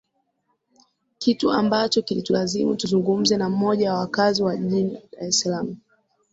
kitu ambacho kilitulazimu tuzungumze na mmoja wa wakaazi wa jiji la dar es salaam